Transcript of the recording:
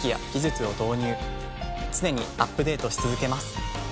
常にアップデートし続けます。